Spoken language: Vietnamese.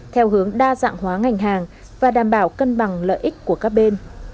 theo hướng đa dạng hóa ngành hàng và đảm bảo cân bằng lợi ích của các bên